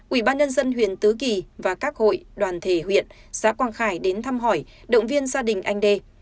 ủy ban nhân dân huyện tứ kỳ và các hội đoàn thể huyện xã quang khải đến thăm hỏi động viên gia đình anh đê